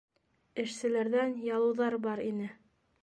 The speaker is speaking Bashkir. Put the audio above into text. Эшселәрҙән ялыуҙар бар ине.